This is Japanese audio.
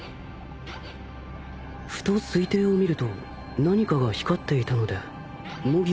ふと水底を見ると何かが光っていたのでもぎ